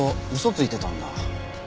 ついてたんだ。